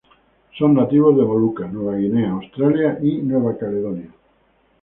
Son nativos de Molucas, Nueva Guinea, Australia y Nueva Caledonia.